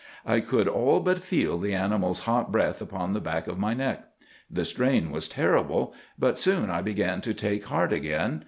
I could all but feel the animal's hot breath upon the back of my neck. The strain was terrible; but soon I began to take heart again.